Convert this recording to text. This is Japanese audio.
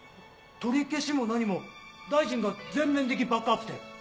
取り消しも何も大臣が全面的バックアップて。